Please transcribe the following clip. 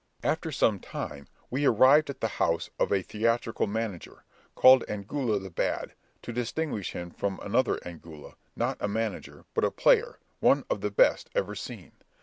After some time, we arrived at the house of a theatrical manager, called Angulo the Bad, to distinguish him from another Angulo, not a manager but a player, one of the best ever seen.